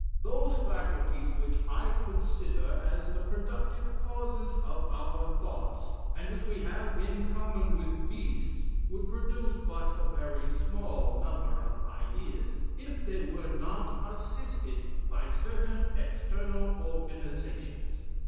Those faculties which I consider as the productive causes of our thoughts, and which we have in common with beasts, would produce but a very small number of ideas, if they were not assisted by certain external organizations.